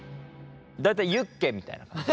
大体ユッケみたいな感じ。